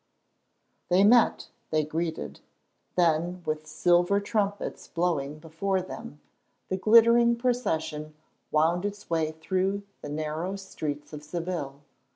They met, they greeted; then, with silver trumpets blowing before them, the glittering procession wound its way through the narrow streets of Seville.